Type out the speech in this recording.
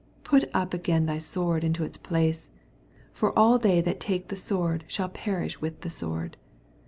Put up again thy sword into his place : for all they that take the sword shall perish with the sword.